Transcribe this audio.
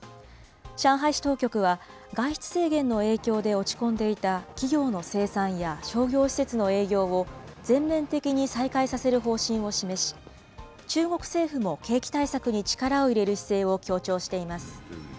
上海市当局は外出制限の影響で落ち込んでいた、企業の生産や商業施設の営業を全面的に再開させる方針を示し、中国政府も景気対策に力を入れる姿勢を強調しています。